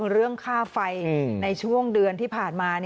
เรื่องค่าไฟในช่วงเดือนที่ผ่านมา